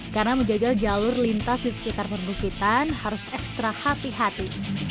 karena menjajal jalur lintas di sekitar perbukitan harus ekstra hati hati